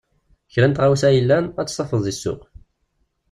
Kra n tɣawsa yellan, ad tt-tafeḍ deg ssuq.